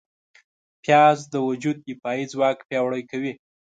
پیاز د وجود دفاعي ځواک پیاوړی کوي